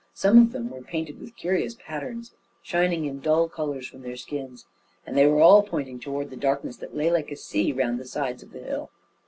Some of them were painted with curious patterns, shining in dull colours from their skins; and they were all pointing toward the darkness that lay like a sea round the sides of the hill.